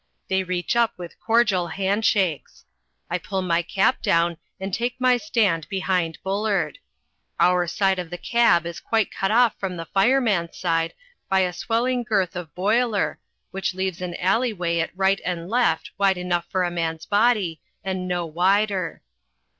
They reach up with cordial hand shakes. I pull my cap down, and take my stand behind Bullard. Our side of the cab is quite cut off from the fireman's side by a swelling girth of boiler, which leaves an alleyway at right and left wide enough for a man's body and no wider.